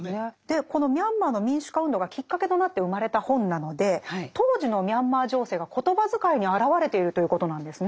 このミャンマーの民主化運動がきっかけとなって生まれた本なので当時のミャンマー情勢が言葉遣いに表れているということなんですね。